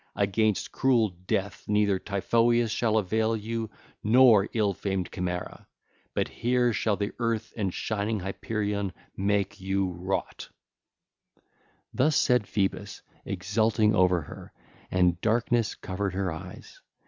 Against cruel death neither Typhoeus shall avail you nor ill famed Chimera, but here shall the Earth and shining Hyperion make you rot.' (ll. 370 374) Thus said Phoebus, exulting over her: and darkness covered her eyes.